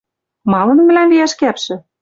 Малын мӹлӓм виӓш кӓпшӹ?